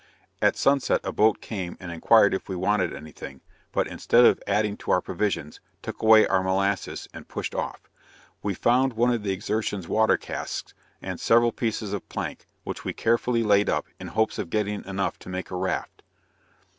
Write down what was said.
At sunset a boat came and inquired if we wanted anything, but instead of adding to our provisions, took away our molasses, and pushed off. We found one of the Exertion's water casks, and several pieces of plank, which we carefully laid up, in hopes of getting enough to make a raft.